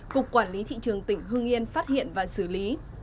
cục quản lý thị trường tỉnh hưng yên phát hiện và xử lý